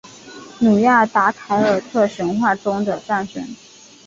努亚达凯尔特神话中的战神。